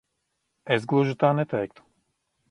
Es gluži tā neteiktu.